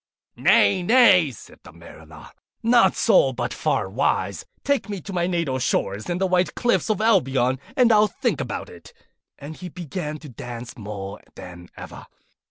'Nay, nay!' said the Mariner. 'Not so, but far otherwise. Take me to my natal shore and the white cliffs of Albion, and I'll think about it.' And he began to dance more than ever.